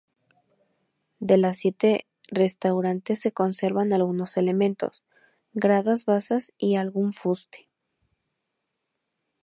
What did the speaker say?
De las siete restantes se conservan algunos elementos, gradas, basas y algún fuste.